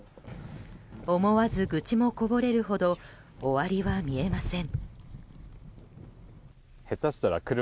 思わず愚痴もこぼれるほど終わりは見えません。